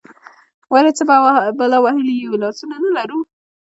ولې، څه بلا وهلي یو، لاسونه نه لرو؟